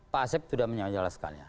pak asep sudah menjelaskannya